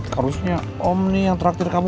harusnya om nih yang terakhir kamu